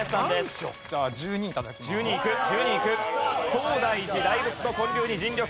東大寺大仏の建立に尽力。